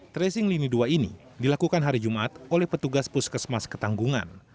tracing lini dua ini dilakukan hari jumat oleh petugas puskesmas ketanggungan